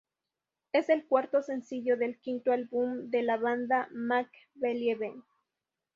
Es el cuarto sencillo del quinto álbum de la banda, "Make Believe".